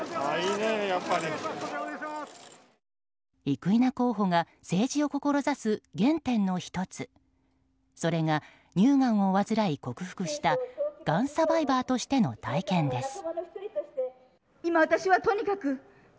生稲候補が政治を志す原点の１つそれが、乳がんを患い克服したがんサバイバーとしての体験です。